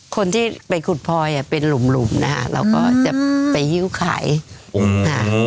คนที่ไปขุดพลอยเป็นหลุ่มนะฮะเราก็จะไปยิ้วขายหลุ่ม